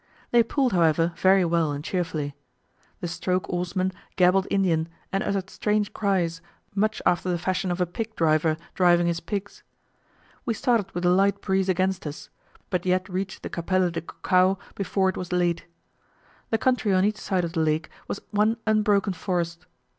They pulled, however, very well and cheerfully. The stroke oarsman gabbled Indian, and uttered strange cries, much after the fashion of a pig driver driving his pigs. We started with a light breeze against us, but yet reached the Capella de Cucao before it was late. The country on each side of the lake was one unbroken forest.